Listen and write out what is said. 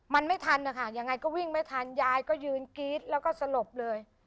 มันไม่ทันนะคะยังไงก็วิ่งไม่ทันยายก็ยืนกรี๊ดแล้วก็สลบเลย